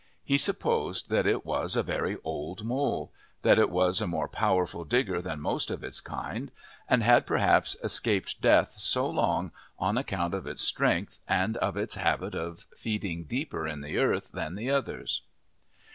He supposed that it was a very old mole, that it was a more powerful digger than most of its kind, and had perhaps escaped death so long on account of its strength and of its habit of feeding deeper in the earth than the others.